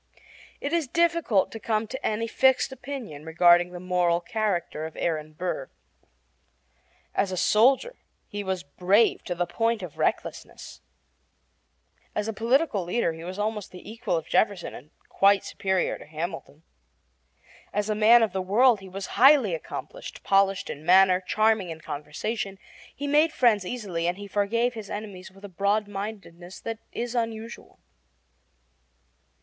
It is difficult to come to any fixed opinion regarding the moral character of Aaron Burr. As a soldier he was brave to the point of recklessness. As a political leader he was almost the equal of Jefferson and quite superior to Hamilton. As a man of the world he was highly accomplished, polished in manner, charming in conversation. He made friends easily, and he forgave his enemies with a broadmindedness that is unusual.